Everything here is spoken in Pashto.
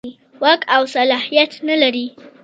واک او صلاحیت نه لري.